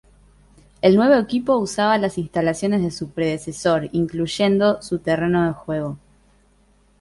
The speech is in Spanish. El nuevo equipo usaba las instalaciones de su predecesor, incluyendo su terreno de juego.